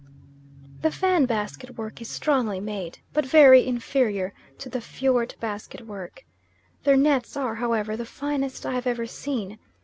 The Fan basket work is strongly made, but very inferior to the Fjort basket work. Their nets are, however, the finest I have ever seen.